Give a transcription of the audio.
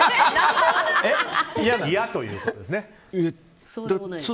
嫌ということですね。